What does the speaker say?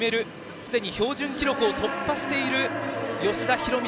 すでに標準記録を突破している吉田弘道